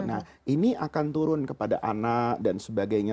nah ini akan turun kepada anak dan sebagainya